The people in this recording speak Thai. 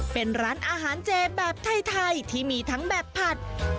เป็นร้านอาหารเจแบบไทยที่มีทั้งแบบผัด